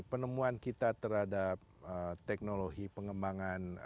penemuan kita terhadap teknologi pengembangan